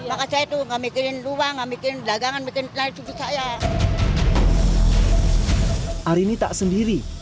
aarini tak sendiri